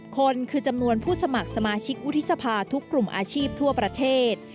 คนคือจำนวนผู้สมัครสมาชิกวุฒิสภาทุกกลุ่มอาชีพทั่วประเทศ